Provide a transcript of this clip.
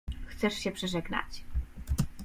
Chcesz się przeżegnać?